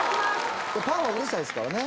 パンはうるさいっすからね。